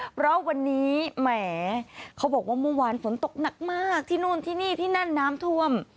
เพราะวันนี้แหมเขาบอกว่าเมื่อวานฝนตกหนักมากที่นู่นที่นี่ที่นั่นน้ำท่วม